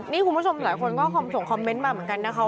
นี่คุณผู้ชมหลายคนก็ส่งคอมเมนต์มาเหมือนกันนะคะ